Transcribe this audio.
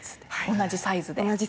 同じサイズ。